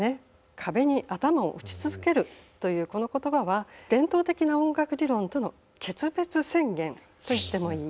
壁に頭を打ち続けるというこの言葉は伝統的な音楽理論との決別宣言と言ってもいい。